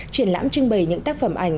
triển lãm trưng bày những tác phẩm ảnh